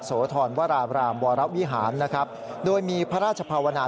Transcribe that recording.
สวทรวรามรามบลวิหารโดยมีพระราชพาวนา